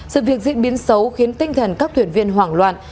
sự việc diễn biến xấu khiến tinh thần các thuyền viên hoảng loạn